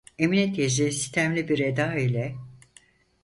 Emine teyze sitemli bir eda ile: